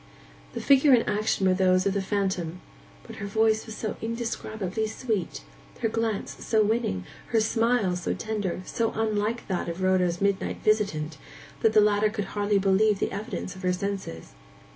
The figure and action were those of the phantom; but her voice was so indescribably sweet, her glance so winning, her smile so tender, so unlike that of Rhoda's midnight visitant, that the latter could hardly believe the evidence of her senses.